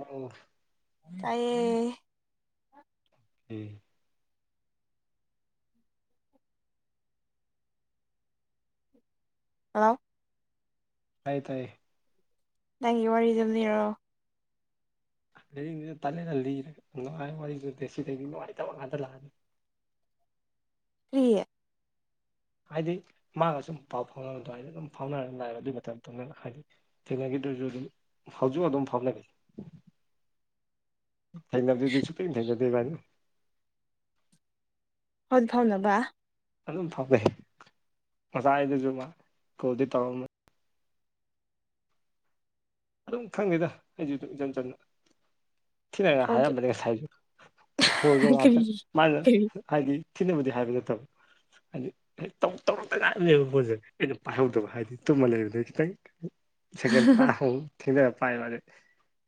ꯑꯣ ꯇꯌꯦ ꯎꯝ ꯍꯜꯂꯣ ꯇꯥꯏ ꯇꯥꯏ ꯅꯪꯒꯤ ꯋꯥꯔꯤꯗꯨꯝ ꯂꯤꯔꯣ [unintelligible] ꯇꯜꯂꯦ ꯇꯜꯂꯤꯔꯒ ꯅꯨꯡꯉꯥꯏꯕ ꯋꯥꯔꯤꯒꯨ ꯅꯠꯇꯦ ꯁꯤꯗꯗꯤ ꯅꯨꯡꯉꯥꯏꯇꯕ ꯉꯥꯛꯇꯥ ꯂꯥꯛꯑꯅꯤ ꯀ꯭ꯔꯤ ꯍꯥꯏꯗꯤ ꯃꯥꯒ ꯁꯨꯝ ꯄꯥꯎ ꯐꯥꯎꯅꯕꯗꯣ ꯑꯗꯨꯃꯥꯢꯗꯨꯝ ꯐꯥꯎꯅꯔꯒ ꯉꯥꯏꯕ ꯑꯗꯨꯢ ꯇꯧꯅꯦꯕ ꯍꯥꯏꯗꯤ ꯊꯦꯡꯅꯒꯤꯗ꯭ꯔꯁꯨ ꯑꯗꯨꯝ ꯍꯧꯖꯤꯛ ꯑꯗꯨꯝ ꯐꯥꯎꯅꯒꯤꯗꯔꯦ [inaudible] ꯊꯦꯅꯖꯦꯖꯨ ꯁꯨꯛꯊꯦꯡ ꯊꯦꯡꯅꯗꯦ ꯢꯕꯥꯟꯅꯤ ꯍꯣꯠ ꯐꯥꯝ ꯅꯕ ꯑꯗꯨꯝ ꯐꯥꯎꯋꯦ ꯉꯁꯥꯏꯗꯖꯨ ꯃꯥ ꯀꯣꯜꯗꯤ ꯇꯧꯔꯝꯃ ꯑꯗꯨꯝ ꯈꯪꯅꯩꯗ ꯑꯩꯖꯨ ꯑꯗꯨꯝ ꯏꯆꯝ ꯆꯝꯅ ꯊꯤꯅꯒ ꯐꯥꯎꯗ ꯍꯥꯏꯔꯝꯕꯅꯦ ꯉꯁꯥꯥꯏꯖꯨ ꯐꯨꯜꯖꯨ ꯀꯔꯤ ꯉꯥꯛꯇꯪ ꯃꯥꯅ ꯀꯔꯤ ꯍꯥꯏꯗꯤ ꯊꯤꯅꯕꯨꯗꯤ ꯍꯥꯏꯕ ꯅꯠꯇꯕ ꯍꯥꯏꯗꯤ ꯇꯧ ꯇꯧꯔꯛꯇ ꯉꯥꯏꯔꯤꯕꯅꯦꯕ ꯐꯣꯟꯖꯦ ꯑꯩꯅ ꯄꯥꯏꯍꯧꯗꯕ ꯍꯥꯏꯗꯤ ꯇꯨꯝꯃ ꯂꯩꯕꯗ ꯈꯤꯇꯪ ꯁꯦꯀꯤꯟ ꯇ꯭ꯔꯥ ꯍꯧ ꯊꯦꯡꯗꯔꯥ ꯄꯥꯏꯕ ꯑꯗꯩ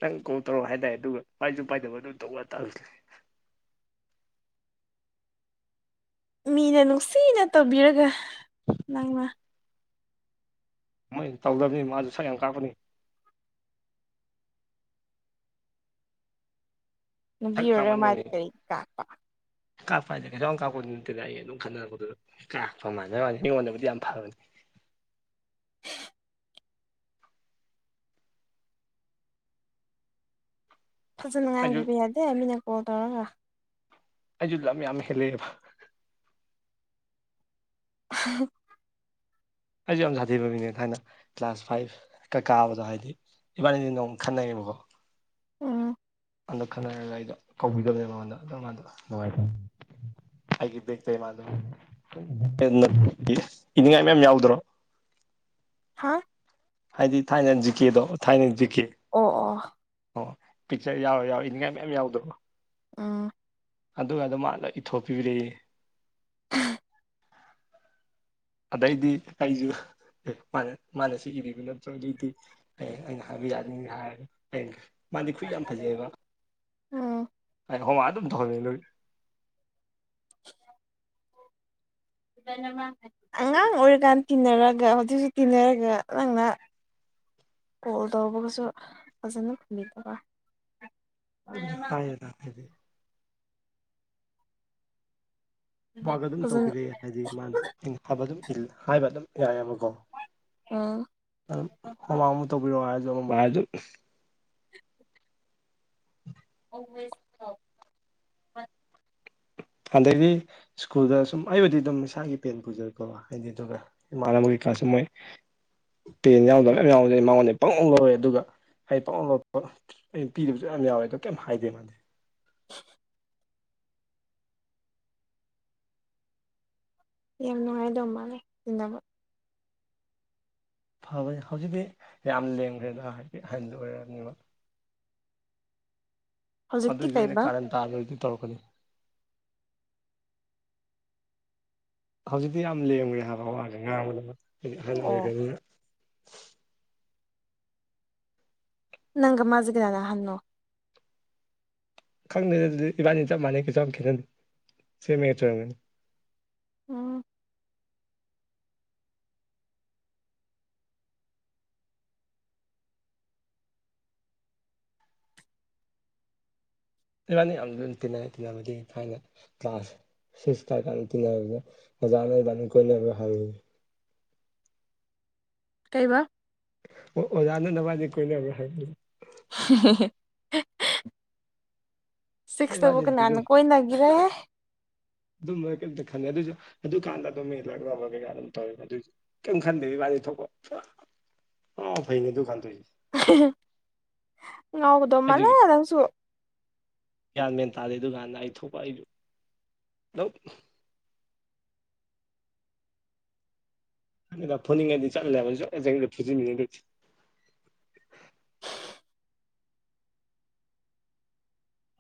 ꯅꯪ ꯀꯣꯜ ꯇꯧꯔꯛꯎ ꯍꯥꯏꯗꯥꯏ ꯑꯗꯨꯒ ꯄꯥꯏꯖꯨ ꯄꯥꯏꯗꯕ ꯑꯗꯨ ꯇꯧꯕ ꯇꯧꯁꯤꯜꯂꯦ ꯃꯤꯅ ꯅꯨꯡꯁꯤꯅ ꯇꯧꯕꯤꯔꯒ ꯅꯪꯅ ꯃꯣꯏ ꯇꯧꯗꯕꯅꯤ ꯃꯥꯖꯨ ꯁꯛ ꯌꯥꯝ ꯀꯥꯛꯄꯅꯤ ꯅꯨꯄꯤ ꯁꯛ ꯑꯣꯏꯔꯒ ꯀꯥꯛꯃꯟꯕꯩꯅꯦ ꯃꯥꯗꯤ ꯀꯔꯤ ꯀꯥꯛꯄ ꯀꯥꯛꯄ ꯍꯥꯏꯖꯦ ꯀꯩꯁꯨ ꯌꯥꯝ ꯀꯥꯛꯄꯕꯨꯗꯤ ꯅꯠꯇꯦꯗ ꯑꯩ ꯑꯗꯨꯝ ꯈꯟꯅꯔꯛꯄꯗꯨꯗ ꯀꯥꯛꯄ ꯃꯥꯟꯕꯩ ꯋꯥꯅꯤ ꯃꯤꯉꯣꯟꯗꯕꯨꯗꯤ ꯌꯥꯝ ꯐꯕꯅꯤ [unintelligible] ꯐꯥꯖꯅ ꯑꯩꯁꯨ ꯉꯥꯡꯕꯤꯕ ꯌꯥꯗꯦ ꯃꯤꯅ ꯀꯣꯜ ꯇꯧꯔꯒ ꯑꯩꯖꯨ ꯂꯝ ꯌꯥꯝ ꯍꯦꯜꯑꯦꯕ [unintelligible] ꯑꯩꯖꯨ ꯌꯥꯝ ꯁꯥꯊꯤꯕ ꯃꯤꯅꯦ ꯊꯥꯏꯅ ꯀ꯭ꯂꯥꯁ ꯐꯥꯏꯐ ꯀꯥ ꯀꯥꯕꯗꯣ ꯍꯥꯏꯗꯤ ꯏꯕꯥꯅꯤꯗꯤ ꯅꯣꯡ ꯈꯠꯅꯔꯦꯕꯀꯣ ꯎꯝ ꯑꯗꯣ ꯈꯟꯅꯔꯒ ꯑꯩꯗꯣ ꯀꯧꯕꯤꯗꯕꯅꯦ ꯃꯉꯣꯟꯗ ꯑꯗꯨꯝ ꯃꯥꯗꯣ ꯅꯨꯡꯉꯥꯏꯇꯕꯅꯤ ꯑꯩꯒꯤ ꯕꯦꯛꯇꯩ ꯃꯥꯗꯣ [unintelligible] ꯏꯅꯤꯡꯉꯥꯏ ꯃꯌꯥꯝ ꯌꯥꯎꯗ꯭ꯔꯣ ꯍꯪ ꯍꯥꯏꯗꯤ ꯊꯥꯏꯅ ꯖꯤꯀꯦꯗꯣ ꯊꯥꯏꯅ ꯖꯤꯀꯦ ꯑꯣ ꯑꯣ ꯑꯣ ꯄꯤꯛꯆꯔ ꯌꯥꯎꯔ ꯌꯥꯎꯔ ꯏꯅꯤꯡꯉꯥꯏ ꯃꯌꯥꯝ ꯌꯥꯎꯗꯕꯣ ꯎꯝ ꯑꯗꯨꯒꯗꯣ ꯃꯥꯅ ꯂꯣꯢ ꯏꯊꯣꯛꯄꯤꯕꯤꯔꯦꯌꯦ ꯑꯗꯩꯗꯤ ꯑꯩꯁꯨ ꯃꯥꯅ ꯃꯥꯅ ꯁꯤ ꯏꯕꯤ [unintelligible] ꯍꯌꯦꯡ ꯑꯩꯅ ꯍꯥꯏꯕ ꯌꯥꯗꯣꯏꯅꯤ ꯀ ꯍꯥꯏꯔꯗꯤ ꯑꯩꯛ ꯃꯥꯗꯤ ꯈꯨꯠꯢ ꯌꯥꯝ ꯐꯖꯩꯌꯦꯕ ꯎꯝ ꯑꯩ ꯍꯣꯝꯋꯥꯛ ꯑꯗꯨꯝ ꯇꯧꯍꯜꯕꯅꯤ ꯑꯗꯨꯒꯤ [inaudible] ꯑꯉꯥꯡ ꯑꯣꯏꯔꯤꯀꯥꯟꯗ ꯇꯤꯟꯅꯔꯒ ꯍꯧꯖꯤꯛꯁꯨ ꯇꯤꯟꯅꯔꯒ ꯅꯪꯅ ꯀꯣꯜ ꯇꯧꯕꯒꯁꯨ ꯐꯖꯅ ꯈꯨꯝꯕꯤꯗꯕ ꯐꯖꯅ ꯄꯥꯏꯔ ꯇꯥꯛꯄꯗꯤ ꯃꯥꯒ ꯑꯗꯨꯝ ꯐꯖꯅ ꯇꯧꯕꯤꯔꯛꯑꯦ ꯍꯥꯏꯗꯤ ꯃꯥꯅ ꯑꯗꯨꯝ ꯃꯥꯅ ꯐꯕꯗꯨ ꯍꯥꯏꯕ ꯑꯗꯨꯝ ꯌꯥꯏꯌꯦꯕꯀꯣ ꯎꯝ ꯃ ꯍꯣꯝꯋꯥꯛꯄꯨ ꯇꯧꯕꯤꯔꯛꯑꯣ ꯍꯥꯏꯔꯁꯨ ꯑꯃꯕꯨ ꯍꯥꯏꯔꯁꯨ [unintelligible] ꯑꯗꯩꯗꯤ ꯁ꯭ꯀꯨꯜꯗ ꯁꯨꯝ ꯑꯩꯕꯨꯗꯤ ꯑꯗꯨꯝ ꯏꯁꯥꯒꯤ ꯄꯦꯟ ꯄꯨꯖꯔꯛꯄ ꯍꯥꯏꯗꯤ ꯑꯗꯨ ꯑꯗꯨꯒ ꯏꯃꯥꯟꯅꯕꯒꯩ ꯀ꯭ꯂꯥꯁꯀꯤ ꯃꯣꯏ ꯄꯦꯟ ꯌꯥꯎꯗ ꯃꯌꯥꯝ ꯌꯥꯎꯕꯅꯦ ꯃꯉꯣꯟꯗꯩ ꯄꯪꯂꯧ ꯂꯧꯔꯦ ꯑꯗꯨꯒ ꯑꯩ ꯄꯪꯂꯣꯠ ꯂꯣꯠꯄ ꯑꯩꯅ ꯄꯤꯗꯕꯁꯨ ꯃꯌꯥꯝ ꯌꯥꯎꯋꯦ ꯑꯗꯣ ꯀꯩꯝ ꯍꯥꯏꯗꯦ ꯃꯥꯗꯤ [unintelligible] ꯌꯥꯝ ꯅꯨꯡꯉꯥꯏꯗꯧꯕ ꯃꯥꯜꯂꯦ ꯇꯤꯟꯅꯕ ꯐꯕꯅꯤ ꯍꯧꯖꯤꯛꯇꯤ ꯌꯥꯝ ꯂꯦꯝꯈ꯭ꯔꯦꯗ ꯍꯥꯏꯗꯤ ꯑꯍꯟ ꯑꯣꯏꯔꯕꯅꯤꯅ ꯍꯧꯖꯤꯛꯇꯤ ꯑꯗꯨꯑꯣꯏꯁꯨ ꯑꯩꯅ ꯀꯩꯕ ꯀꯥꯔꯟ ꯇꯥꯗꯣꯏꯗꯤ ꯇꯧꯔꯛꯀꯅꯤ ꯍꯧꯖꯤꯛꯇꯤ ꯌꯥꯝ ꯂꯦꯝꯈ꯭ꯔꯦ ꯍꯥꯏꯕ ꯋꯥꯖꯤ ꯉꯥꯡꯕꯗꯅ ꯍꯥꯏꯗꯤ ꯑꯍꯜ ꯑꯣ ꯑꯣꯏꯈ꯭ꯔꯅꯤꯅ ꯅꯪꯒ ꯃꯥꯖꯤ ꯀꯅꯥꯅ ꯑꯍꯟꯅꯣ ꯈꯪꯗꯦ ꯑꯗꯨꯗꯤ ꯏꯕꯥꯅꯤ ꯆꯞ ꯃꯥꯟꯅꯩ ꯀꯩꯁꯨ ꯌꯥꯝ ꯈꯦꯠꯅꯗꯦ ꯁꯦꯝ ꯕꯦꯖ ꯑꯣꯢꯔꯒꯅꯤ ꯎꯝ ꯏꯕꯥꯅꯤ ꯌꯥꯝ ꯂꯨ ꯇꯤꯟꯅꯩ ꯇꯤꯟꯅꯕꯗꯤ ꯊꯥꯏꯅ ꯀ꯭ꯂꯥꯁ ꯁꯤꯛꯁ ꯀꯥꯔꯤ ꯀꯥꯟ ꯇꯤꯟꯅꯕꯗ ꯑꯣꯖꯥꯅ ꯏꯕꯥꯟꯅꯤ ꯀꯣꯢꯅꯕꯔ ꯍꯪꯉꯤꯅꯤ ꯀꯩꯕ ꯑꯣ ꯑꯣꯖꯥ ꯅꯕꯥꯟꯅꯤ ꯀꯣꯏꯅꯕ꯭ꯔ ꯍꯪꯏ ꯍꯦ ꯍꯦ ꯍꯍ ꯁꯤꯛꯁꯇꯕꯨ ꯏꯕꯥꯅꯤꯗꯤ ꯑꯗꯨꯝ ꯀꯅꯥꯅ ꯀꯣꯏꯅꯒꯦꯔꯍꯩ ꯑꯗꯨꯝꯕ ꯀꯩꯝꯇ ꯈꯟꯅꯗꯦ ꯑꯗꯨꯁꯨ ꯑꯗꯨꯀꯥꯟꯗ ꯑꯗꯨꯝ ꯃꯤ ꯂꯛꯅꯕ ꯀꯩꯀꯥ ꯑꯗꯨꯝ ꯇꯧꯋꯦꯕ ꯑꯗꯨꯢꯁꯨ ꯀꯩꯝ ꯈꯟꯗꯦ ꯏꯕꯥꯟꯅꯤ ꯊꯣꯛꯄ ꯄꯨꯔꯥ ꯑꯉꯥꯎ ꯑꯐꯩꯅꯤ ꯑꯗꯨꯝ ꯀꯟꯗꯇꯧꯏꯁꯤ ꯑꯍꯦ ꯍꯦ ꯉꯥꯎꯕꯗꯣ ꯃꯥꯜꯂꯦ ꯅꯪꯁꯨ ꯚ꯭ꯌꯥꯟ ꯃꯦꯟ ꯇꯥꯗꯦ ꯑꯗꯨꯗꯨꯀꯥꯟꯗ ꯑꯩ ꯊꯣꯛꯄ ꯑꯩ ꯑꯗꯨꯝ [unintelligible] ꯐꯨꯅꯤꯡꯉꯗꯤ ꯆꯠ [unintelligible] ꯐꯨꯖꯤꯟꯅꯤ ꯍꯟꯗꯛꯇꯤ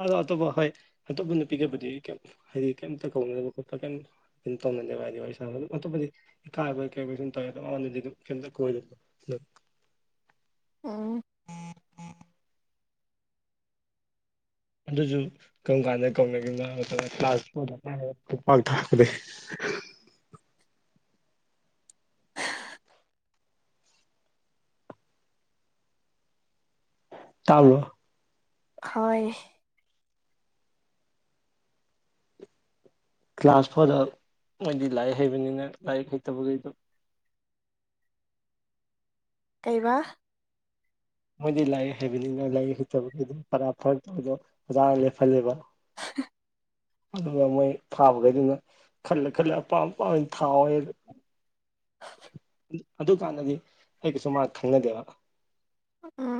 ꯑꯗꯣ ꯑꯇꯣꯞꯄ ꯍꯣꯏ ꯑꯇꯣꯞꯄ ꯅꯨꯄꯤꯒꯕꯨꯗꯤ ꯑꯩ ꯀꯦꯝ ꯍꯥꯏꯗꯤ ꯀꯩꯝꯇ ꯀꯣꯟꯅꯕ ꯈꯣꯠꯄ ꯀꯦꯝ ꯏꯟꯇꯣ [unintelligible] ꯑꯇꯣꯞꯄꯗꯤ ꯏꯀꯥꯏ ꯕꯣꯏ ꯀꯩꯕꯣꯏ ꯁꯨꯝ ꯇꯧꯋꯦ ꯑꯗꯣ ꯑꯩꯉꯣꯟꯗꯗꯤ ꯀꯣꯏꯅꯨ [unintelligible] ꯎꯝ ꯑꯗꯨꯁꯨ ꯀꯔꯝ ꯀꯥꯟꯗ ꯀꯧꯅꯒ꯭ꯔꯤꯅꯣ ꯍꯥꯏ ꯃꯇꯝꯗ ꯀ꯭ꯂꯥꯁ ꯐꯣꯔꯗ [unintelligible] ꯈꯨꯄꯥꯛ ꯊꯥꯔꯛꯄꯗꯩ [unintelligible] ꯍꯣꯏ ꯀ꯭ꯂꯥꯁ ꯐꯣꯔꯗ ꯃꯣꯏꯗꯤ ꯂꯥꯏꯔꯤꯛ ꯍꯩꯕꯅꯤꯅ ꯂꯥꯏꯔꯤꯛ ꯍꯩꯇꯕꯒꯩꯗꯣ ꯀꯩꯕ ꯃꯣꯏꯗꯤ ꯂꯥꯏꯔꯤꯛ ꯍꯩꯕꯅꯤꯅ ꯂꯥꯏꯔꯤꯛ ꯍꯩꯇꯕꯒꯩꯗꯤ ꯄꯔꯥ ꯐꯥꯔꯛꯇꯕꯗꯣ ꯑꯣꯖꯥ ꯂꯦꯞꯐꯜꯂꯦꯕ [inaudible] ꯑꯗꯨꯒ ꯃꯣꯏ ꯊꯥꯕꯒꯩꯗꯨꯅ ꯈꯜꯂ ꯈꯜꯂ ꯑꯄꯥꯝ ꯑꯄꯥꯝꯕ ꯊꯥꯎ [inaudible] ꯑꯗꯨꯀꯥꯟꯗꯗꯤ ꯑꯩꯒꯁꯨ ꯃꯥ ꯈꯪꯅꯗꯦꯕ ꯎꯝ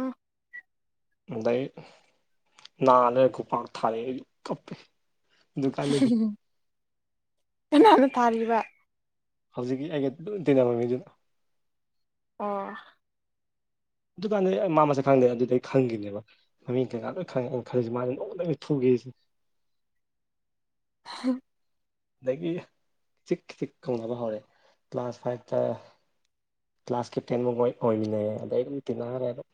ꯑꯗꯩ ꯅꯥ ꯂꯩꯔ ꯈꯨꯠꯄꯥꯡꯅ ꯊꯥꯔꯛꯑꯦ ꯑꯩ ꯀꯞꯄꯦ ꯑꯗꯨꯀꯥꯟꯗꯗꯤ [unintelligible] ꯀꯅꯥꯅ ꯊꯥꯔꯤꯕ ꯍꯧꯖꯤꯛꯀꯤ ꯑꯩꯒ ꯂꯨꯅ ꯇꯤꯟꯅꯕꯃꯤꯗꯨꯅꯤ ꯑꯣ ꯑꯗꯨꯀꯥꯟꯗꯗꯤ ꯑꯩ ꯃꯥ ꯃꯁꯛ ꯈꯪꯗꯦ ꯑꯗꯨꯗꯩ ꯈꯪꯒꯤꯅꯦꯕ ꯃꯃꯤꯡ ꯀꯩꯥꯀꯥ ꯂꯣꯏ ꯈꯪꯉꯦ ꯑꯩꯅ ꯈꯜꯂꯤꯁꯦ ꯃꯥꯖꯦ ꯅꯣꯡꯃ ꯇꯪꯗꯤ ꯐꯨꯒꯦꯁꯤꯅꯤ ꯑꯍ ꯑꯗꯒꯤ ꯆꯤꯛ ꯆꯤꯛ ꯀꯧꯅꯕ ꯍꯧꯔꯦ ꯀ꯭ꯂꯥꯁ ꯐꯥꯏꯚꯇ ꯀ꯭ꯂꯥꯁ ꯀꯦꯞꯇꯦꯟꯅꯨꯕꫭꯏ ꯑꯣꯏꯃꯤꯟꯅꯩꯌꯦ ꯑꯗꯩꯗꯤ ꯇꯤꯟꯅꯒ꯭ꯔꯦ ꯑꯗꯨ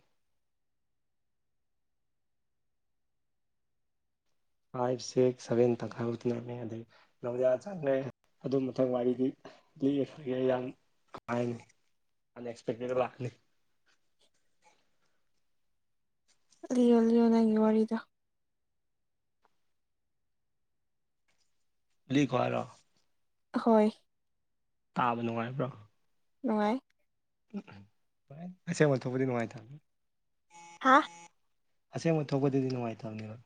ꯐꯥꯏꯚ ꯁꯤꯛꯁ ꯁꯚꯦꯟ ꯇꯪꯈꯥꯏꯕꯨꯛ ꯇꯤꯟꯅꯔꯝꯃꯦ ꯑꯗꯩ ꯅꫭꯕꫭꯗꯤꯌꯥ ꯆꯪꯉꯦ ꯑꯗꯨ ꯃꯊꯪ ꯋꯥꯔꯤꯗꯤ ꯂꯤꯌꯦ [unintelligible] ꯑꯟꯑꯦꯛꯁꯄꯦꯛꯇꯦꯠꯇ ꯂꯥꯛꯀꯅꯤ ꯂꯤꯌꯣ ꯂꯤꯌꯣ ꯅꯪꯒꯤ ꯋꯥꯔꯤꯗꯣ ꯂꯤꯈꯣ ꯍꯥꯏꯔꯣ ꯍꯣꯏ ꯇꯥꯕ ꯅꯨꯡꯉꯥꯏꯕ꯭ꯔꯣ ꯅꯨꯡꯉꯥꯏ [unintelligible] ꯑꯁꯦꯡꯕ ꯊꯣꯛꯄꯗꯤ ꯅꯨꯡꯉꯥꯢꯇꯕꯅꯦ ꯍꯥꯥ ꯑꯁꯦꯡꯕ ꯊꯣꯛꯄꯗꯗꯤ ꯅꯨꯡꯉꯥꯏꯇꯕꯅꯦꯕ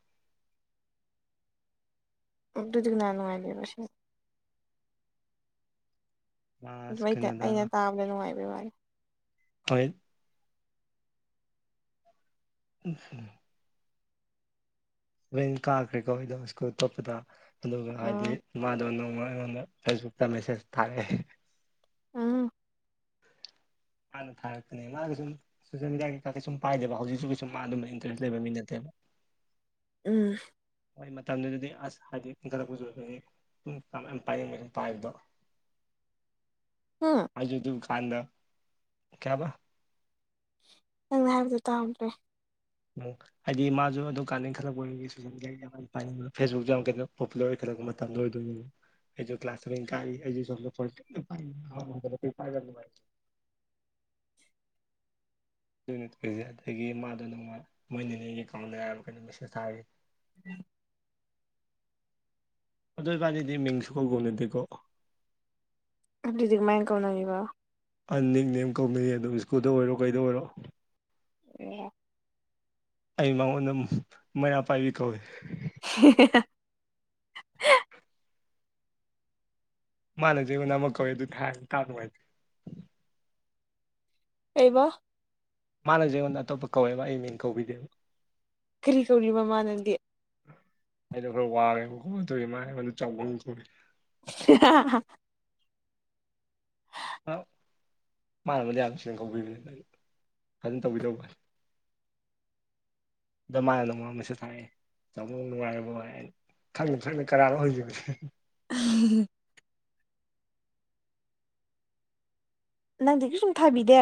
ꯑꯗꯨꯗꯤ ꯀꯅꯥ ꯅꯨꯡꯉꯥꯏꯗꯣꯏꯅꯣ ꯑꯁꯦꯡꯕ ꯀ꯭ꯂꯥꯁ ꯑꯗꯨꯋꯥꯏꯗ ꯀꯩꯅꯣꯗ ꯑꯩꯅ ꯇꯥꯕꯗ ꯅꯨꯡꯉꯥꯏꯕꯩ ꯋꯥꯅꯤ ꯍꯣꯏ ꯎꯝ ꯂꯦꯟ ꯀꯥꯈ꯭ꯔꯦꯀꯣ ꯑꯩꯗꯣ ꯁ꯭ꯀꯨꯜ ꯆꯠꯄꯗ ꯑꯗꯨꯒ ꯍꯥꯏꯗꯤ ꯑꯥ ꯃꯥꯗꯣ ꯅꯣꯡꯃ ꯑꯩꯉꯣꯟꯗ ꯐꯦꯁꯕꯨꯛꯇ ꯃꯦꯁꯦꯁ ꯊꯥꯔꯛꯑꯦ ꯎꯝ ꯃꯥꯅ ꯊꯥꯔꯛꯄꯅꯦ ꯃꯥꯅ ꯁꯨꯝ ꯁꯣꯁꯤꯌꯦꯜ ꯃꯦꯗꯤꯌꯥ ꯀꯩꯩꯀꯥꯖꯦ ꯁꯨꯝ ꯄꯥꯏꯗꯦꯕ ꯍꯧꯖꯤꯛꯁꯨ ꯀꯩꯁꯨꯝ ꯃꯥ ꯑꯗꯨꯝꯕ ꯏꯟꯇꯔꯦꯁ ꯂꯩꯕ ꯃꯤ ꯅꯠꯇꯦꯕ ꯎꯝ ꯍꯣꯏ ꯃꯇꯝꯗꯨꯗꯗꯤ ꯑꯁ ꯍꯥꯏꯗꯤ ꯏꯟꯈꯠꯂꯛꯄꯁꯨ ꯑꯣꯏꯕꯒꯤ ꯄꯨꯡ ꯀꯩꯀꯥ ꯃꯌꯥꯝ ꯄꯥꯏꯅꯩꯌꯦꯅ ꯑꯗꯨꯨꯝ ꯄꯥꯏꯕꯗꯣ ꯍꯨꯝ ꯑꯩꯖꯨ ꯑꯗꯨꯝ ꯀꯥꯟꯗ ꯀꯩꯕ ꯅꯪꯅ ꯍꯥꯏꯕꯗꫭ ꯇꯥꯍꯧꯗ꯭ꯔꯦ ꯎꯝ ꯍꯥꯏꯗꯤ ꯃꯥꯁꯨ ꯑꯗꯨꯝ ꯀꯥꯟꯗ ꯏꯪꯈꯜꯂꯛꯄ ꯑꯣꯏꯕꯒꯤ ꯁꫭꯁꯦꯜ ꯃꯤꯗꯤꯌꯥꯒꯤ [unintelligible] ꯌꯥꯝ ꯀꯩꯅꯣ ꯄꯣꯄꯨꯂꯔ ꯑꯣꯏ ꯈꯜꯂꯛꯄ ꯃꯇꯝꯗ ꯑꯣꯏꯗꯣꯏꯅꯦꯕ ꯑꯩꯁꯨ ꯀ꯭ꯂꯥꯁ ꯀꯥꯔꯤ ꯑꯩꯖꯨ ꯁꫭꯝꯗ ꯐꫭꯟ ꯀꯟꯅ ꯄꯥꯏꯔꯤ [unintelligible] ꯑꯗꯨ ꯇꯣꯏꯔꯤꯁꯦ ꯑꯗꯒꯤ ꯃꯥꯗꯣ ꯅꯣꯡꯃ ꯃꯣꯏ ꯅꯤꯅꯦꯒꯤ ꯑꯦꯀꯥꯎꯟꯗ ꯍꯥꯏꯔꯕ ꯀꯩꯅꯣ ꯃꯦꯁꯦꯁ ꯊꯥꯒꯦ [unintelligible] ꯑꯗꯨ ꯏꯕꯥꯟꯅꯤꯗꯤ ꯃꯤꯡ ꯁꯨꯡꯀꯧ ꯀꯧꯅꯗꯦꯀꯣ ꯑꯗꯨꯗꯤ ꯀꯃꯥꯏꯅ ꯀꯧꯅꯔꯤꯕꯥ ꯑ ꯅꯤꯛ ꯅꯦꯝ ꯀꯧꯅꯩꯅꯦ ꯑꯗꯨꯝ ꯏꯁ꯭ꯀꯨꯜꯗ ꯑꯣꯏꯔꯣ ꯀꯩꯗ ꯑꯣꯏꯔꯣ ꯂꯨꯏꯍꯦ ꯑꯩ ꯃꯉꯣꯟꯗ ꯃꯩꯔꯥꯄꯥꯏꯕꯤ ꯀꯧꯋꯦ [unintelligible] ꯃꯥꯅꯖꯨ ꯑꯩꯉꯣꯟꯗ ꯑꯃ ꯀꯧꯋꯦ ꯑꯗꯨꯗꯤ ꯍꯥꯏꯔꯔꯣꯏ ꯇꯥꯕ ꯅꯨꯡꯉꯥꯏꯇꯦ ꯀꯩꯕ ꯃꯥꯅꯖꯨ ꯑꯩꯉꯣꯟꯗ ꯑꯇꯣꯞꯄ ꯀꯧꯋꯦꯕ ꯑꯩ ꯃꯤꯡ ꯀꯧꯕꯤꯗꯦꯕ ꯀꯔꯤ ꯀꯧꯔꯤꯕ ꯃꯥꯅꯗꯤ ꯑꯩꯗꯣ ꯈꯔ ꯋꯥꯔꯦꯕꯀꯣ ꯑꯗꯨꯒꯤ ꯃꯥ ꯑꯩꯉꯣꯟꯗ ꯆꯥꯎꯕꯪ ꯀꯧꯔꯛꯑꯦ [unintelligible] ꯍꯥ ꯃꯥꯅꯕꯨꯗꯤ ꯌꯥꯝ ꯅꯨꯡꯁꯤꯅ ꯀꯧꯕꯤꯕꯅꯤꯗ ꯑꯩꯅ ꯐꯖꯅ ꯇꯧꯕꯤꯗꯕ ꯗ ꯃꯥꯅ ꯅꫭꯡꯃ ꯃꯦꯁꯦꯁ ꯊꯥꯔꯛꯑꯦ ꯇꯥꯃꫭ ꯅꯨꯡꯉꯥꯏꯔꯤꯕꯣꯌꯦ ꯈꯪꯅ ꯈꯪꯅ ꯀꯅꯥꯅꯣ ꯍꯪꯖꯤꯟꯕꯅꯦ [unintelligible] ꯅꯪꯗꯤ ꯀꯩꯁꯨꯝ ꯊꯥꯕꯤꯗꯦ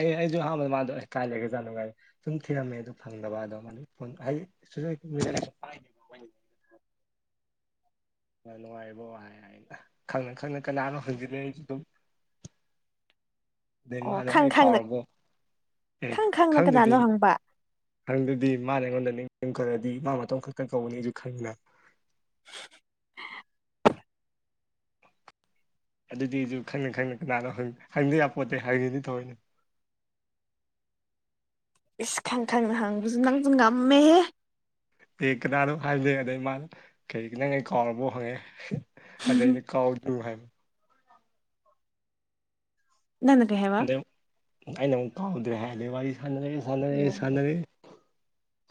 ꯑꯦ ꯑꯩꯖꯨ ꯑꯍꯥꯟꯕꯗ ꯃꯥꯗꯣ ꯑꯩ ꯀꯥꯏ ꯂꯩꯒ꯭ꯔꯖꯥꯠꯅꯣ ꯀꯥꯏ ꯁꯨꯝ ꯊꯤꯔꯝꯃꯦ ꯑꯗꯨ ꯐꯪꯗꯕ ꯑꯗꯣ [unintelligible] ꯃꯥ ꯅꯨꯡꯉꯥꯏꯔꯤꯕꯣ ꯍꯥꯏ ꯍꯥꯏꯅ ꯈꯪꯅ ꯈꯪꯅ ꯀꯅꯥꯅꯣ ꯍꯪꯖꯤꯜꯂꯦ ꯑꯩꯖꯨ ꯗꯨꯝ ꯑꯗꯩ ꯑꯣ ꯃꯥꯅ ꯈꯪ ꯑꯩ ꯈꯪꯅ ꯀꯥꯎꯔꯕꯣ ꯑꯦ ꯈꯪ ꯈꯪꯅ ꯈꯪꯗꯗꯤ ꯀꯅꯥꯅꯣ ꯍꯪꯕ ꯈꯪꯗꯗꯤ ꯃꯥꯅ ꯑꯩꯉꯣꯟꯗ ꯅꯤꯁꯤꯡꯈꯔꯗꯤ ꯃꯥ ꯃꯇꯣꯝ ꯈꯛꯇ ꯀꯧꯒꯅꯤꯖꯨ ꯈꯪꯉꯤꯅ [unintelligible] ꯑꯗꯨꯗꯤ ꯑꯩꯖꯨ ꯈꯪꯅ ꯈꯪꯅ ꯀꯅꯥꯅꯣ ꯍꯪ ꯍꯪꯗ ꯌꯥꯄꯣꯠꯇꯦ ꯍꯪꯉꯤꯅꯤ ꯊꯑꯣꯏꯅ ꯏꯁ ꯈꯪ ꯈꯪꯅ ꯍꯪꯕꯖꯨ ꯅꯪꯖꯨ ꯉꯝꯃꯦꯍꯦ ꯑꯦ ꯀꯅꯥꯅꯣ ꯍꯥꯏꯕꯗꯩ ꯑꯗꯩ ꯃꯥꯅ ꯀꯔꯤꯒꯤ ꯅꯪ ꯑꯩ ꯀꯥꯎꯔꯕꫭ ꯍꯪꯉꯛꯑꯦ ꯑꯗ ꯑꯩꯅ ꯀꯥꯎꯅꯨ ꯍꯥꯏꯕ ꯅꯪꯅ ꯀꯩ ꯍꯥꯏꯕ ꯑꯗꯩ ꯑꯩꯅ ꯑꯃꯨꯛ ꯀꯥꯎꯗ꯭ꯔꯦ ꯍꯥꯏꯂꯦ ꯋꯥꯔꯤ ꯁꯥꯟꯅꯔꯦ ꯁꯥꯟꯅꯔꯦ ꯁꯥꯟꯅꯔꯦ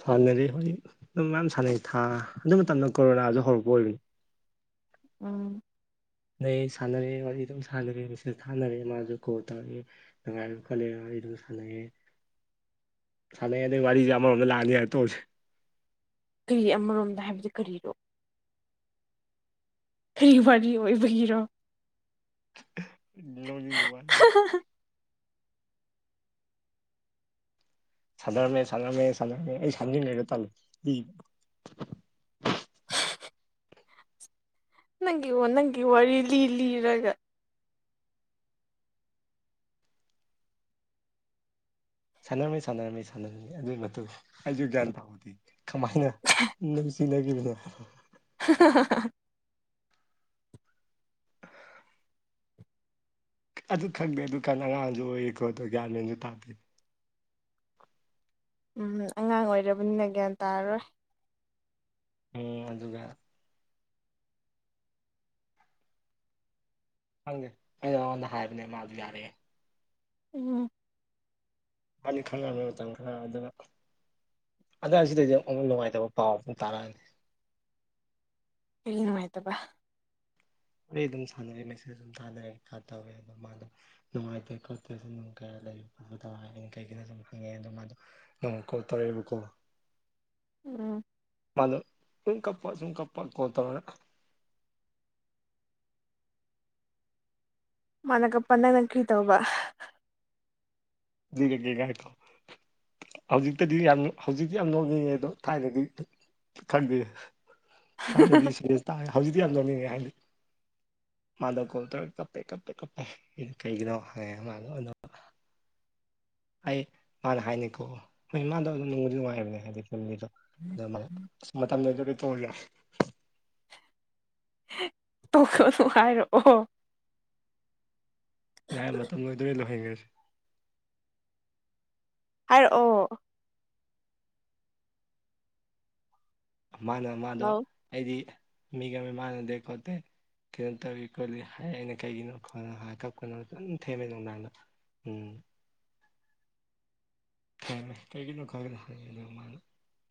ꯁꯥꯟꯅꯔꯦ‌ ꯋꯥꯔꯤ ꯑꯗꯨꯝ ꯃꯌꯥꯝ ꯁꯥꯟꯅꯩ ꯊꯥ ꯑꯗꯨ ꯃꯇꯝꯗ ꯀꯣꯔꯣꯅꯥꯁꯨ ꯍꯧꯔꯛꯄ ꯑꯣꯏꯕꯅꯦ ꯎꯝ ꯅꯩ ꯁꯥꯟꯅꯔꯦ ꯋꯥꯔꯤ ꯑꯗꯨꯝ ꯁꯥꯟꯅꯔꯦ ꯃꯤꯁꯦꯁ ꯊꯥꯟꯅꯔꯦ ꯃꯥꯁꯨ ꯀꯣꯜ ꯇꯧꯔꯛꯑꯦ ꯅꯨꯡꯉꯥꯏꯕ ꯈꫭꯠꯂꯦ ꯋꯥꯔꯤꯗꯨꯝ ꯁꯥꯟꯅꯩꯌꯦ ꯁꯥꯟꯅꯩ ꯑꯗꯩ ꯑꯗꯨꯏ ꯋꯥꯔꯤꯖꯩ ꯑꯃꯔꯣꯝꯗ ꯂꯥꯛꯑꯅꯤ ꯇꫭꯛꯁꯦ ꯀꯔꯤ ꯑꯃꯔꯣꯝꯗ ꯍꯥꯏꯕꯒꯤ ꯀꯔꯤꯅꯣ ꯀꯔꯤ ꯋꯥꯔꯤ ꯑꯣꯏꯕꯒꯤꯔꯣ ꯅꯣꯛꯅꯤꯡꯕ ꯋꯥꯅꯤ ꯁꯥꯟꯅꯔꯝꯃꯦ ꯁꯥꯟꯅꯔꯝꯃꯦ ꯁꯥꯟꯅꯔꯝꯃꯦ ꯑꯩ ꯁꯥꯟꯅꯤꯡ ꯂꯩꯒ ꯇꯥꯜꯂꯣ ꯅꯪꯒꯤꯑꯣ ꯅꯪꯒꯤꯑꯣ ꯋꯥꯔꯤ ꯂꯤ ꯂꯤꯔꯒ ꯁꯥꯟꯅꯔꯝꯃꯤ ꯁꯥꯟꯅꯔꯝꯃꯤ ꯁꯥꯟꯅꯔꯝꯃꯤ ꯑꯗꯨꯏ ꯃꯇꯨꯡ ꯑꯩꯁꯨ ꯒ꯭ꯌꯥꯟ ꯇꯥꯍꯩꯗꯦ ꯀꯃꯥꯏꯅ ꯇꯤꯟꯅꯒꯤꯕꯅꯣ [unintelligible] ꯑꯗꯨ ꯈꯪꯗꯦ ꯑꯗꯨꯀꯥꯟ ꯑꯉꯥꯡꯖꯨ ꯑꯣꯏꯔꯤꯀꯣ ꯑꯗꯨ ꯒ꯭ꯌꯥꯟ ꯃꯦꯟꯖꯨ ꯇꯥꯗꯦ ꯎꯝ ꯑꯉꯥꯡ ꯑꯣꯏꯔꯕꯅꯤꯅ ꯒ꯭ꯌꯥꯟ ꯇꯥꯔꯔꯣꯏ ꯎꯝ ꯑꯗꯨꯒ ꯈꯪꯗꯦ ꯑꯩꯅ ꯃꯉꯣꯟꯗ ꯍꯥꯏꯕꯅꯦ ꯃꯥꯖꯨ ꯌꯥꯔꯛꯑꯦ ꯎꯝ ꯏꯕꯥꯅꯤ ꯈꯪꯅꯔꯝꯃꯦ ꯃꯇꯝ ꯈꯔ ꯑꯗꯨꯒ ꯑꯗ ꯑꯁꯤꯗꯩꯗꯤ ꯑꯃꯨꯛ ꯅꯨꯡꯉꯥꯏꯇꯕ ꯄꯥꯎ ꯁꯨꯝ ꯇꯥꯔꯛꯑꯅꯤ ꯀꯩꯒꯤ ꯅꯨꯡꯉꯥꯏꯇꯕꯥ ꯑꯩ ꯑꯗꯨꯝ ꯁꯥꯟꯅꯔꯦ ꯃꯦꯁꯦꯖ ꯑꯗꯨꯝ ꯊꯥꯅꯔꯦ ꯈꯔ ꯇꯧꯋꯦꯕ ꯃꯥꯗꯣ ꯅꯨꯡꯉꯥꯏꯇꯦ ꯈꯣꯠꯇꯦ ꯑꯗꯨꯅꯨꯡꯒ ꯂꯩ ꯈꯣꯠꯄꯗꯣ ꯍꯥꯏꯌꯦ ꯀꯩꯒꯤꯅꯣ ꯁꯨꯝ ꯍꯡꯉꯦ ꯑꯗꯨ ꯃꯥꯗꯣ ꯅꯣꯡꯃ ꯀꯣꯜ ꯇꯧꯔꯦꯕꯀꯣ ꯎꯝ ꯃꯥꯗꯨ ꯁꯨꯝ ꯀꯞꯄ ꯁꯨꯝ ꯀꯞꯄ ꯀꯣꯜ ꯇꯧꯔꯒ ꯃꯥꯅ ꯀꯞꯄ ꯅꯪꯅ ꯀ꯭ꯔꯤ ꯇꯧꯕ ꯂꯤꯔꯒꯦ ꯉꯥꯏꯈꯣ ꯍꯧꯖꯤꯛꯇꯗꯤ ꯌꯥꯝ ꯍꯧꯖꯤꯛꯇꯤ ꯌꯥꯝ ꯅꯣꯛꯅꯤꯡꯉꯦ ꯑꯗꯣ ꯊꯥꯏꯅꯒꯤ ꯈꯪꯗꯦ ꯍꯥꯟꯅꯗꯤ ꯁꯦꯔꯤꯌꯁ ꯇꯥꯏ ꯍꯧꯖꯤꯛꯇꯤ ꯌꯥꯝ ꯅꯣꯛꯅꯤꯡꯉꯦ ꯍꯥꯏꯗꯤ ꯃꯥꯗꯣ ꯀꯣꯜ ꯇꯧꯔ ꯀꯞꯄꯦ ꯀꯞꯄꯦ ꯀꯞꯄꯦ ꯑꯩꯅꯥ ꯀꯩꯒꯤꯅꯣ ꯍꯪꯉꯦ ꯃꯥꯗꯣ ꯑꯗꯣ ꯑꯩ ꯃꯥꯅ ꯍꯥꯏꯅꯤꯀꯣ ꯍꯣꯏ ꯃꯥꯗꯣ ꯑꯗꯨꯝ ꯅꯨꯡꯕꯨꯗꯤ ꯅꯨꯡꯉꯥꯏꯕꯅꯦ ꯍꯥꯏꯗꯤ ꯑꯗꯣ ꯃꯥ ꯑꯁ ꯃꯇꯝ ꯂꯣꯏꯗꯧꯔꯦ ꯇꯣꯛꯑꯒꯦ ꯌꯥꯔꯦ ꯇꯣꯛꯈ꯭ꯔꯅꯨ ꯍꯥꯏꯔꯛꯑꯣ ꯌꯥꯔꯦ ꯃꯇꯝ ꯂꯣꯏꯗꯧꯔꯦ ꯂꯣꯏꯍꯟꯒ꯭ꯔꯖꯤ ꯍꯥꯏꯔꯛꯑꯣ ꯃꯥꯅ ꯃꯥꯗꯣ ꯍꯜꯂꯣ ꯑꯩꯗꯤ ꯃꯤꯒ ꯃꯤꯃꯥꯟꯅꯗꯦ ꯈꯣꯠꯇꯦ ꯀꯩꯅꯣ ꯇꯧꯔꯤ ꯈꯣꯠꯂꯤ ꯍꯥꯏꯑꯦꯅ ꯀꯩꯒꯤꯅꯣ ꯈꯣꯠꯅꯣ ꯍꯥꯏ ꯀꯞꯄꯅꯣ ꯐꯖꯅ ꯊꯦꯝꯃꯦ ꯅꯨꯡꯗꯥꯡꯗ ꯎꯝ ꯊꯦꯝꯃꯦ ꯀꯩꯒꯤꯅꯣ ꯈꯪꯗꯅ ꯍꯡꯉꯦꯗꯣ ꯃꯥ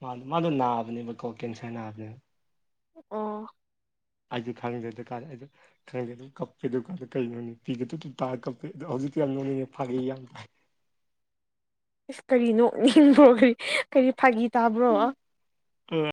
ꯃꯥꯗꯣ ꯃꯥꯗꯣ ꯅꯥꯕꯅꯦꯕꯀꯣ ꯀꯦꯟꯁꯔ ꯅꯥꯕꯅꯦ ꯑ ꯑꯩꯗꯤ ꯈꯪꯗꯦꯗ ꯀꯥꯔꯦ ꯑꯗꯨ ꯈꯪꯒꯦ ꯑꯗꯨꯝ ꯀꯞꯄꯦ ꯗꯨꯀꯥꯟꯗ ꯀꯩꯅꯣꯅꯦ ꯄꯤꯒꯗ ꯑꯗꯨꯝ ꯇ ꯀꯄꯦ ꯍꯧꯖꯤꯛꯇꯤ ꯌꯥꯝ ꯅꯣꯛꯅꯤꯡꯉꯦ ꯐꯥꯒꯤ ꯌꯥꯝ ꯇꯥꯏ ꯏꯁꯁ ꯀꯔꯤꯅꯣꯛꯅꯤꯡꯕ꯭ꯔꯣ ꯀꯔꯤ ꯀꯔꯤ ꯐꯥꯒꯤ ꯇꯥꯕ꯭ꯔꯣ ꯍ